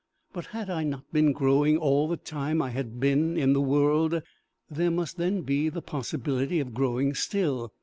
But had I not been growing all the time I had been in the world? There must then be the possibility of growing still!